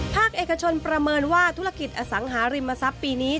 ภาคเอกชนประเมินว่าธุรกิจอสังหาริมทรัพย์ปีนี้